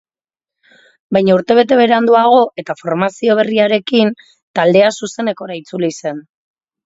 Baina urtebete beranduago eta formazio berriarekin, taldea zuzenekora itzuli zen.